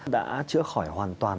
đã chữa khỏi hoàn toàn